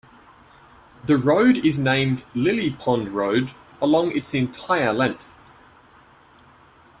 The road is named Lily Pond Road along its entire length.